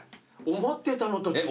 思ってたのと違う。